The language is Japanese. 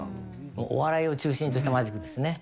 お笑いを中心としたマジックですね。